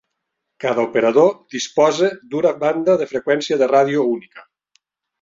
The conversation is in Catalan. Cada operador disposa d'una banda de freqüència de ràdio única.